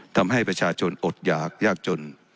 ทำให้ประชาชนอดหยากยากจน